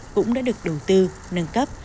cũng đã được đầu tư nâng cấp